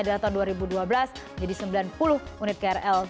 dari tahun dua ribu dua belas menjadi sembilan puluh unit krl